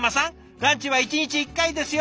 ランチは１日１回ですよ！